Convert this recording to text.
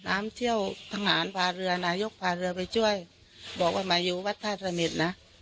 น้ำเที่ยวทหารพาเรือนายกพาเรือไปช่วยบอกว่ามาอยู่วัดท่าสนิทนะ